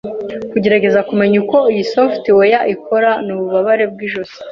Kugerageza kumenya uko iyi software ikora nububabare bwijosi.